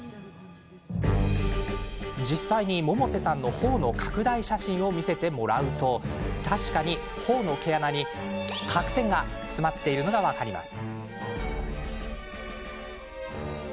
実際に百瀬さんのほおの拡大写真を見せてもらうと確かに、ほおの毛穴に角栓が詰まっているのが分かります。